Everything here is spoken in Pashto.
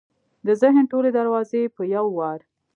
د ذهن ټولې دروازې یې په یو وار